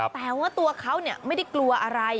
แต่ว่าตัวเขาไม่ได้กลัวอะไร